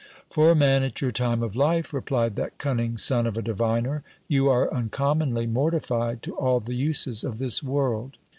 Fdr a man at your time of life, replied that cunning son of a diviner, you are uncommonly mortified to all the uses of this world.